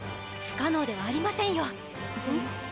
不可能ではありませんよ。